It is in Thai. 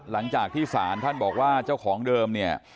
หลังจากที่ศาลท่านบอกว่าเจ้าของเดิมเนี่ย